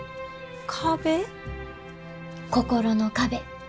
心の壁。